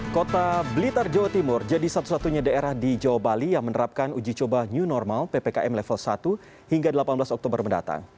kota blitar jawa timur jadi satu satunya daerah di jawa bali yang menerapkan uji coba new normal ppkm level satu hingga delapan belas oktober mendatang